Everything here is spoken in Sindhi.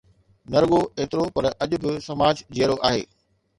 نه رڳو ايترو پر اڄ به سماج جيئرو آهي.